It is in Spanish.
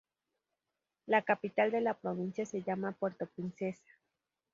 La capital de la provincia se llama Puerto Princesa.